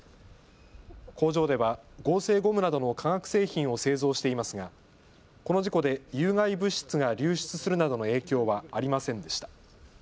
工場では合成ゴムなどの化学製品を製造していますがこの事故で有害物質が流出するなどの影響はありませんでした。